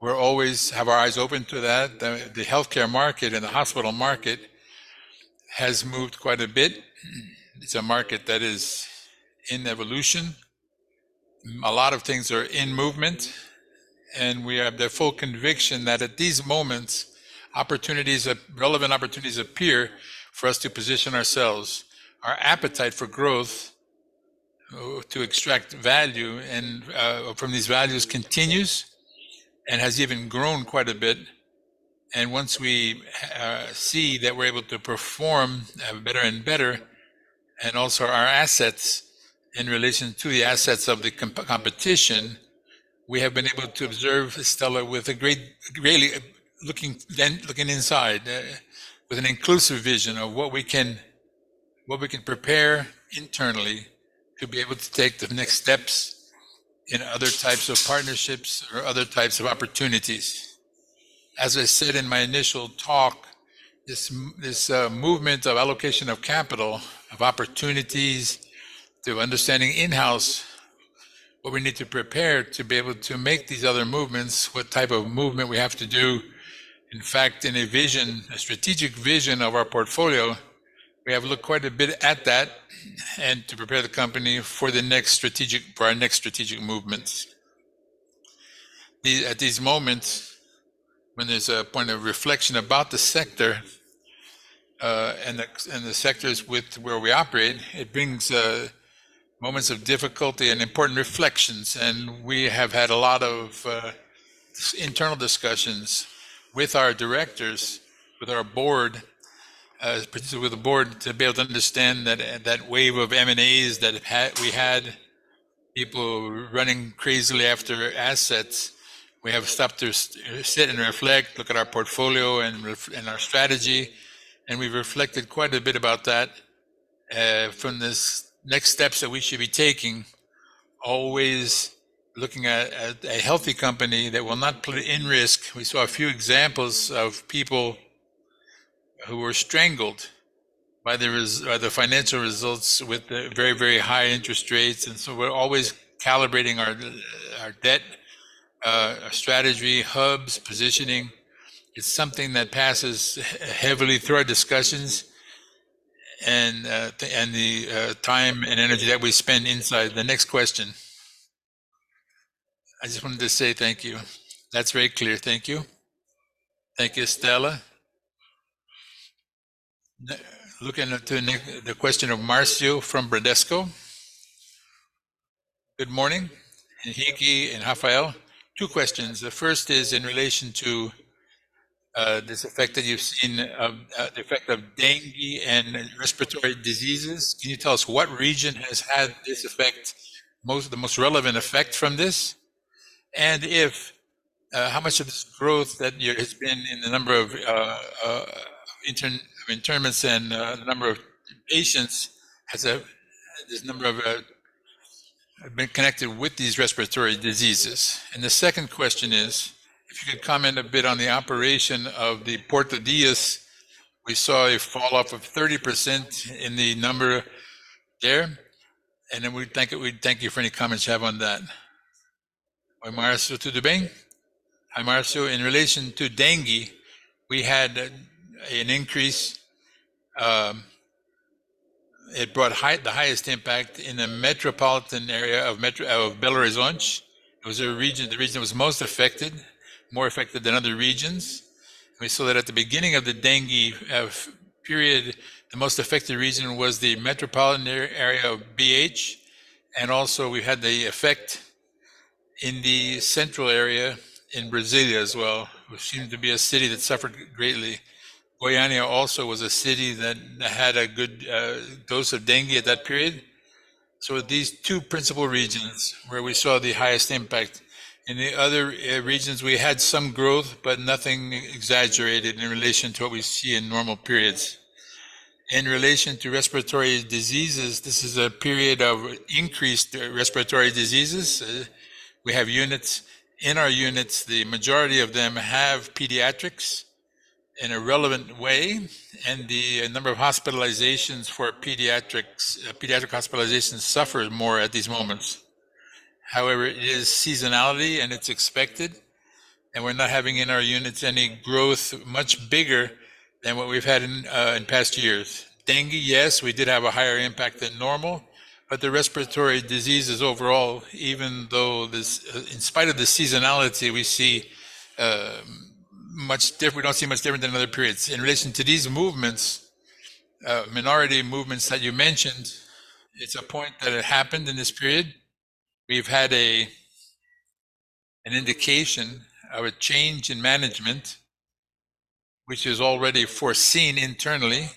we always have our eyes open to that. The healthcare market and the hospital market has moved quite a bit. It's a market that is in evolution. A lot of things are in movement. We have the full conviction that at these moments, opportunities, relevant opportunities appear for us to position ourselves. Our appetite for growth, to extract value and from these values continues and has even grown quite a bit. Once we see that we're able to perform better and better and also our assets in relation to the assets of the competition, we have been able to observe, Stella, with a great, really looking then looking inside with an inclusive vision of what we can what we can prepare internally to be able to take the next steps in other types of partnerships or other types of opportunities. As I said in my initial talk, this this movement of allocation of capital, of opportunities to understanding in-house what we need to prepare to be able to make these other movements, what type of movement we have to do. In fact, in a vision, a strategic vision of our portfolio, we have looked quite a bit at that and to prepare the company for the next strategic for our next strategic movements. At these moments, when there's a point of reflection about the sector and the sectors with where we operate, it brings moments of difficulty and important reflections. We have had a lot of internal discussions with our directors, with our board, particularly with the board to be able to understand that wave of M&As that we had, people running crazily after assets. We have stopped to sit and reflect, look at our portfolio and our strategy. We've reflected quite a bit about that from this next steps that we should be taking, always looking at a healthy company that will not put it in risk. We saw a few examples of people who were strangled by the financial results with very, very high interest rates. So we're always calibrating our debt, our strategy, hubs, positioning. It's something that passes heavily through our discussions and the time and energy that we spend inside. The next question. I just wanted to say thank you. That's very clear. Thank you. Thank you, Stella. Looking into the question of Marcio from Bradesco. Good morning, Henrique and Rafael. Two questions. The first is in relation to this effect that you've seen, the effect of dengue and respiratory diseases. Can you tell us what region has had this effect, the most relevant effect from this? And if how much of this growth that has been in the number of internments and the number of patients has a this number of have been connected with these respiratory diseases? And the second question is, if you could comment a bit on the operation of the Porto Dias, we saw a falloff of 30% in the number there. Then we'd thank you for any comments you have on that. Hi, Marcio. In relation to dengue, we had an increase. It brought the highest impact in the metropolitan area of Belo Horizonte. It was a region, the region that was most affected, more affected than other regions. We saw that at the beginning of the dengue period, the most affected region was the metropolitan area of BH. Also we had the effect in the central area in Brazil as well, which seemed to be a city that suffered greatly. Goiânia also was a city that had a good dose of dengue at that period. With these two principal regions where we saw the highest impact, in the other regions, we had some growth, but nothing exaggerated in relation to what we see in normal periods. In relation to respiratory diseases, this is a period of increased respiratory diseases. We have units. In our units, the majority of them have pediatrics in a relevant way. The number of hospitalizations for pediatric hospitalizations suffer more at these moments. However, it is seasonality and it's expected. We're not having in our units any growth much bigger than what we've had in past years. Dengue, yes, we did have a higher impact than normal. But the respiratory diseases overall, even though this in spite of the seasonality, we see much different we don't see much different than other periods. In relation to these movements, minority movements that you mentioned, it's a point that it happened in this period. We've had an indication of a change in management, which is already foreseen internally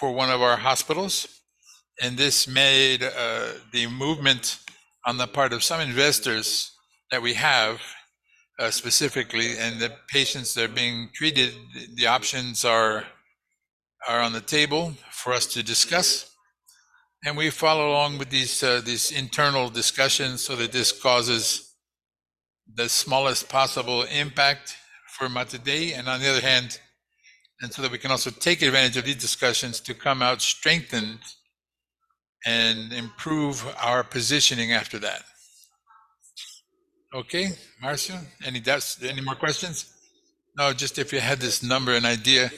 for one of our hospitals. This made the movement on the part of some investors that we have specifically and the patients that are being treated, the options are on the table for us to discuss. We follow along with these internal discussions so that this causes the smallest possible impact for Mater Dei. On the other hand, so that we can also take advantage of these discussions to come out strengthened and improve our positioning after that. Okay, Marcio, any more questions? No, just if you had this number, an idea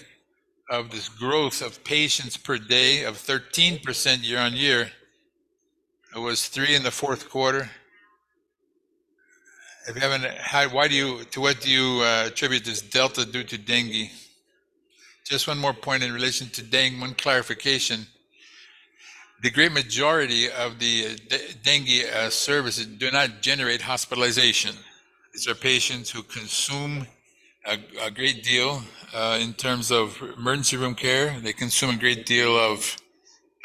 of this growth of patients per day of 13% year-on-year. It was 3% in the fourth quarter. If you haven't had, why do you to what do you attribute this delta due to dengue? Just one more point in relation to dengue, one clarification. The great majority of the dengue services do not generate hospitalization. These are patients who consume a great deal in terms of emergency room care. They consume a great deal of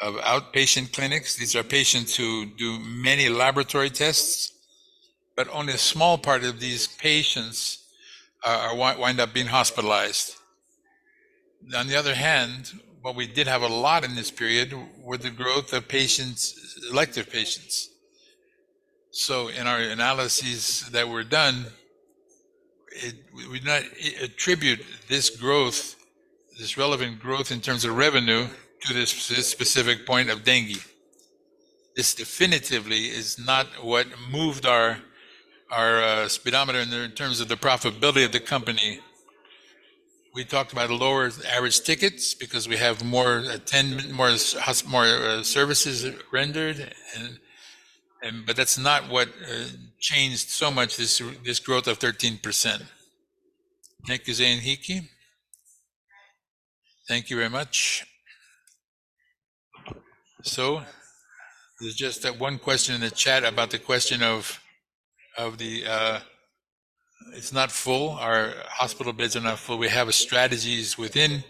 outpatient clinics. These are patients who do many laboratory tests. But only a small part of these patients wind up being hospitalized. On the other hand, what we did have a lot in this period were the growth of patients, elective patients. So in our analyses that were done, we did not attribute this growth, this relevant growth in terms of revenue to this specific point of dengue. This definitively is not what moved our speedometer in terms of the profitability of the company. We talked about lower average tickets because we have more attendance, more services rendered. And but that's not what changed so much, this growth of 13%. Thank you, Henrique. Thank you very much. So there's just that one question in the chat about the question of the it's not full. Our hospital beds are not full. We have strategies within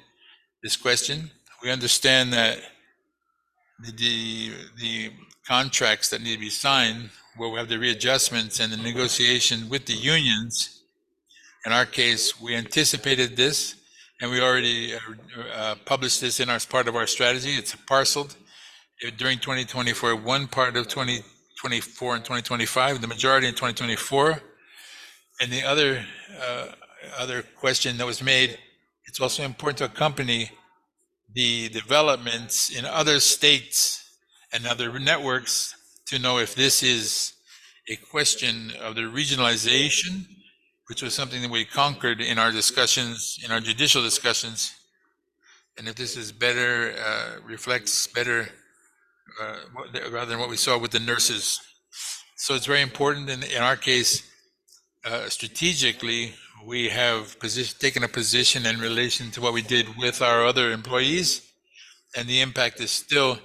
this question. We understand that the contracts that need to be signed, where we have the readjustments and the negotiation with the unions, in our case, we anticipated this. And we already published this in our part of our strategy. It's parceled during 2024, one part of 2024 and 2025, the majority in 2024. And the other question that was made, it's also important to accompany the developments in other states and other networks to know if this is a question of the regionalization, which was something that we conquered in our discussions, in our judicial discussions. And if this is better, reflects better rather than what we saw with the nurses. So it's very important. In our case, strategically, we have taken a position in relation to what we did with our other employees. The impact is still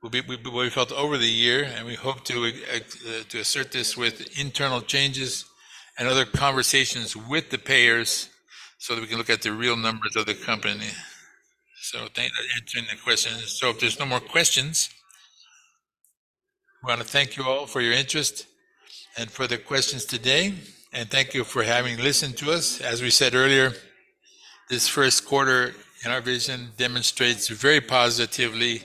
what we felt over the year. We hope to assert this with internal changes and other conversations with the payers so that we can look at the real numbers of the company. Thank you for answering the questions. If there's no more questions, we want to thank you all for your interest and for the questions today. Thank you for having listened to us. As we said earlier, this first quarter, in our vision, demonstrates very positively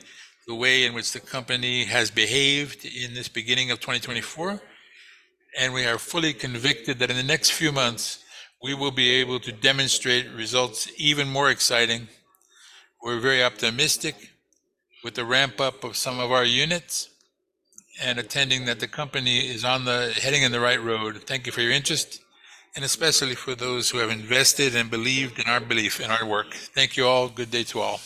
the way in which the company has behaved in this beginning of 2024. We are fully convicted that in the next few months, we will be able to demonstrate results even more exciting. We're very optimistic with the ramp-up of some of our units and attending that the company is on the heading in the right road. Thank you for your interest, and especially for those who have invested and believed in our belief, in our work. Thank you all. Good day to all.